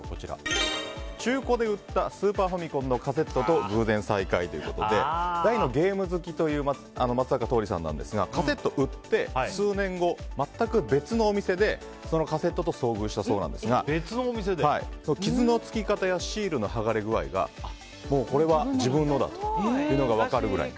中古で売ったスーパーファミコンのカセットと偶然再会ということで大のゲーム好きという松坂桃李さんなんですがカセットを売って、数年後全く別のお店でそのカセットと遭遇したそうなんですが傷のつき方やシールの剥がれ具合がもう、これは自分のだというのが分かるくらい。